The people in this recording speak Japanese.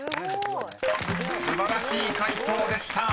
［素晴らしい解答でした。